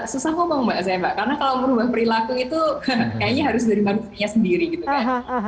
susah ngomong mbak saya mbak karena kalau merubah perilaku itu kayaknya harus dari manusia sendiri gitu kan